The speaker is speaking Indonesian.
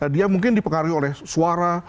dia mungkin dipengaruhi oleh suara